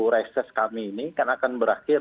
reses kami ini kan akan berakhir